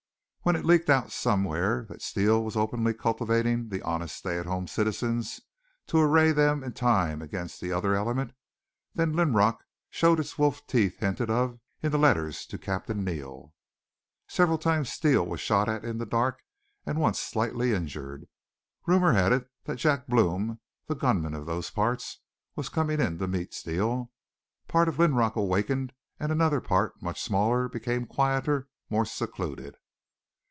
When it leaked out somewhere that Steele was openly cultivating the honest stay at home citizens, to array them in time against the other element, then Linrock showed its wolf teeth hinted of in the letters to Captain Neal. Several times Steele was shot at in the dark and once slightly injured. Rumor had it that Jack Blome, the gunman of those parts, was coming in to meet Steele. Part of Linrock awakened and another part, much smaller, became quieter, more secluded.